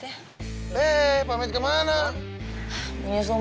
aduh pokok kayaknya pas malem